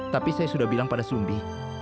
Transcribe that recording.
tapi saya sudah bilang pada sumbi